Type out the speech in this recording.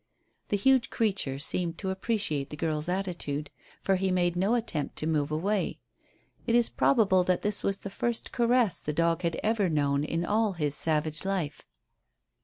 The huge creature seemed to appreciate the girl's attitude, for he made no attempt to move away. It is probable that this was the first caress the dog had ever known in all his savage life.